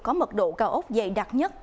có mật độ cao ốc dày đặc nhất